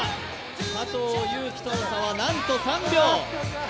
佐藤悠基との差はなんと３秒。